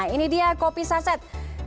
ini dia kopi saset